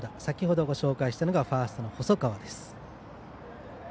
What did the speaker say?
先ほどご紹介したのがファーストの細川。